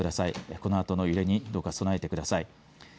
このあとの揺れにどうか備えてください。